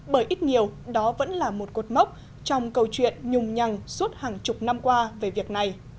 bởi ít nhiều đó vẫn là một cột mốc trong câu chuyện nhùng nhằng suốt hàng chục năm qua về việc này